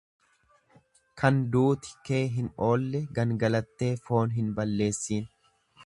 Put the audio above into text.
Kan duuti kee hin oolle gangalattee foon hin balleessiin.